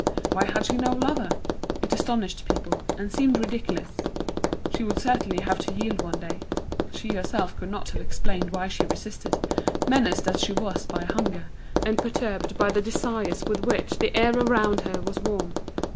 Why had she no lover? It astonished people, and seemed ridiculous. She would certainly have to yield one day. She herself could not have explained why she resisted, menaced as she was by hunger, and perturbed by the desires with which the air around her was warm.